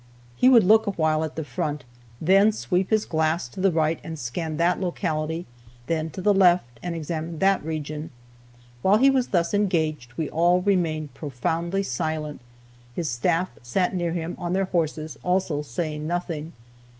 He would look a while at the front, then sweep his glass to the right and scan that locality, then to the left and examine that region. While he was thus engaged, we all remained profoundly silent, his staff sat near him on their horses, also saying nothing.